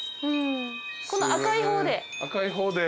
この赤い方で。